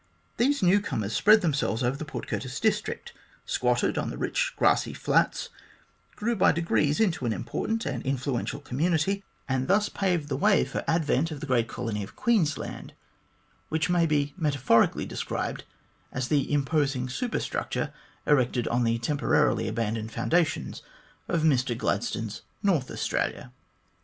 These newcomers spread themselves over the Port Curtis district, squatted on the rich grassy flats, grew by degrees into an important and influential community, and thus paved the way for the 72 THE GLADSTONE COLONY advent of tho great colony of Queensland, which may be metaphorically described as the imposing superstructure erected on the temporarily abandoned foundations of Mr Gladstone's North Australia.